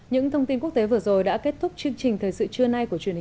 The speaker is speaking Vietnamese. những thông tin quốc tế vừa rồi đã kết thúc chương trình thời sự trưa nay của truyền hình